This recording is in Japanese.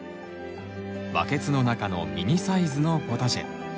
バケツの中のミニサイズのポタジェ。